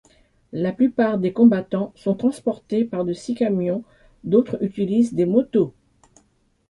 La plupart des combattants sont transportés par de six camions, d'autres utilisent des motos.